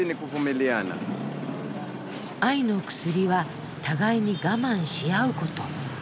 「愛の薬は互いに我慢し合うこと」。